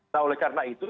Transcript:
nah oleh karena itu